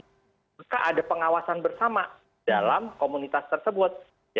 maka ada pengawasan bersama dalam komunitas tersebut